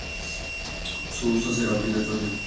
Su uso será obligatorio.